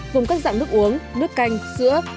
gồm các dạng nước uống nước canh sữa